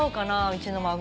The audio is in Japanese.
うちの孫。